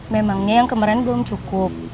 memangnya yang kemarin belum cukup